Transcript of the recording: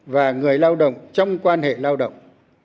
và người lao động trong quan hệ lao động